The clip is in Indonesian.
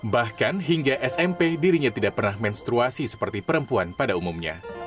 bahkan hingga smp dirinya tidak pernah menstruasi seperti perempuan pada umumnya